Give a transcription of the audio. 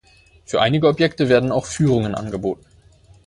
Für einige Objekte werden auch Führungen angeboten.